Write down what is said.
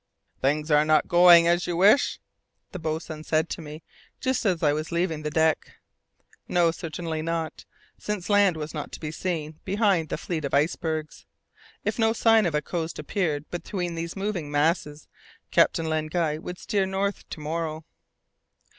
"Things are not going as you wish?" the boatswain said to me just as I was leaving the deck. No, certainly not, since land was not to be seen behind the fleet of icebergs. If no sign of a coast appeared between these moving masses, Captain Len Guy would steer north to morrow.